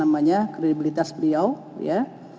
karena ini adalah kredibilitas beliau ya